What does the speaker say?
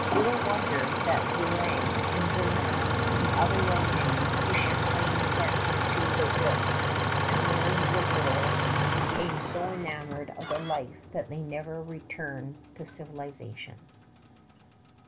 Little wonder that Brulé, and Vignau, and other young men whom Champlain sent to the woods to learn wood lore, became so enamored of the life that they never returned to civilization.